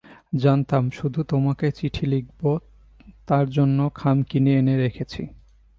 জানতাম শুধু তোমাকে চিঠি লিখব, তার জন্য খাম কিনে এনে রেখেছি।